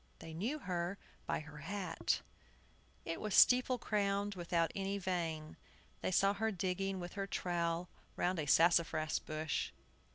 They knew her by her hat. It was steeple crowned, without any vane. They saw her digging with her trowel round a sassafras bush.